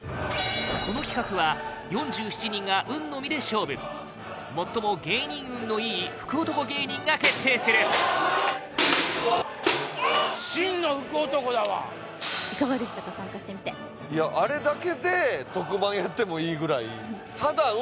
この企画は４７人が運のみで勝負最も芸人運のいい福男芸人が決定するいかがでしたか参加してみてあれだけで特番やってもいいぐらいただ運